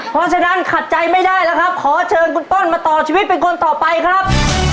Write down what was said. เพราะฉะนั้นขัดใจไม่ได้แล้วครับขอเชิญคุณต้นมาต่อชีวิตเป็นคนต่อไปครับ